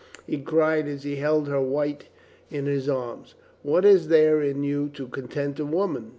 he cried as he held her white in his arms. "What is there in you to content a woman?"